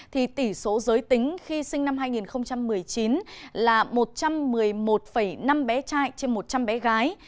thì tỷ số giới tính khi sinh năm hai nghìn một mươi chín là một trăm một mươi một năm bé trai trên một trăm linh bé gái